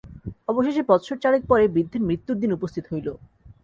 অবশেষে বৎসর চারেক পরে বৃদ্ধের মৃত্যুর দিন উপস্থিত হইল।